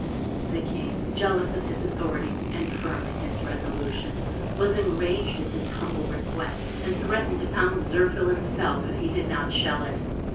The King, jealous of his authority, and firm in his resolution, was enraged at this humble request, and threatened to pound Zirphil himself if he did not shell it.